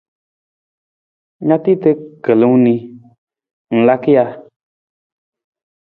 Na tiita kiilung ni, ng laka ja?